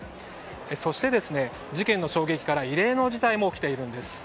そして、事件の衝撃から異例の事態も起きているんです。